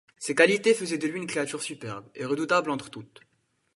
Ces qualités faisaient de lui une créature superbe et redoutable entre toutes.